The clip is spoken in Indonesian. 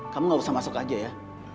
kamu gak usah masuk aja ya